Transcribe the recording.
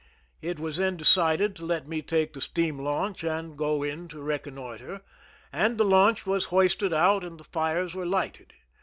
It was then decided to let me take the steam launch and go in to reconnoiter, and the launch was hoisted out and the fires were lighted.